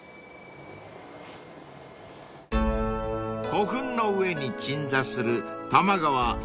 ［古墳の上に鎮座する多摩川浅間神社］